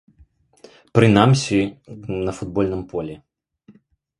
Прынамсі на футбольным полі.